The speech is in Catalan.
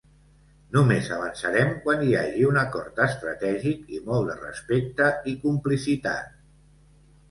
Només avançarem quan hi hagi un acord estratègic i molt de respecte i complicitat.